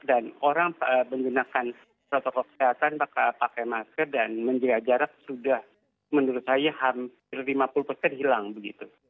dan orang menggunakan protokol kesehatan pakai masker dan menjaga jarak sudah menurut saya hampir lima puluh hilang begitu